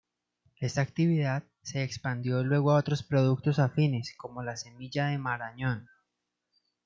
Esta actividad se expandió luego a otros productos afines, como la semilla de marañón.